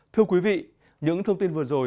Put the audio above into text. thưa quý vị những thông tin vừa rồi